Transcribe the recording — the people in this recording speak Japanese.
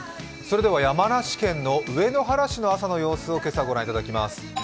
山梨県の上野原市の朝の様子を御覧いただきます。